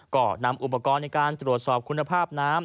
ก็นำอุปกรณ์ในการตรวจสอบคุณภาพน้ำ